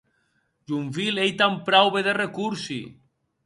Yonville ei tan praube de recorsi!